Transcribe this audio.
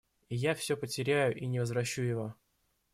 И я всё потеряю и не возвращу его.